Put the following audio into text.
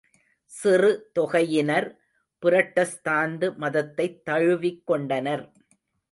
சிறு தொகையினர் புரட்டஸ்தாந்து மதத்தைத் தழுவிக் கொண்டனர்.